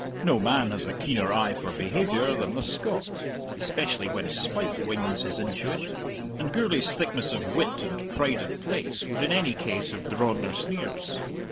No man has a keener eye for behaviour than the Scot (especially when spite wings his intuition), and Gourlay's thickness of wit and pride of place would in any case have drawn their sneers.